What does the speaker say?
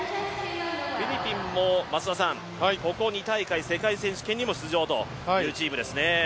フィリピンも、ここ２大会世界選手権にも出場というチームですね。